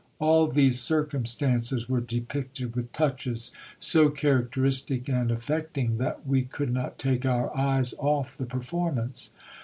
All these circumstances were depicted with touches so characteristic and affecting, that we could not take our eyes off the performance.